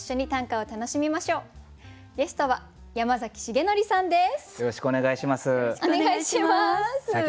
よろしくお願いします。